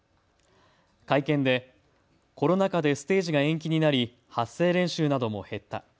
会見でコロナ禍でステージが延期になり発声練習なども減った。